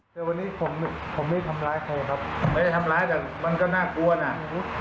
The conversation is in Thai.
ก็แค่สาขำเบลอแบบหัวหน้า